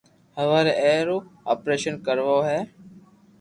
ھواري اي رو آپريݾن ڪراوہ ھي